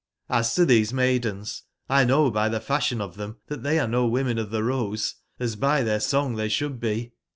Hs to tbesemaidens,! know by tbe fasbionof tbem tbat tbey are no women of tbe Rose, as by tbeir songtbeysbould be.